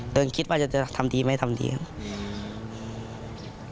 คิดว่าจะทำดีไม่ทำดีครับ